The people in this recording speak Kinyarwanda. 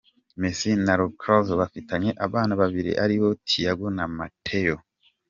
Messi na Roccuzzo bafitanye abana babiri aribo Thiago na Mateo.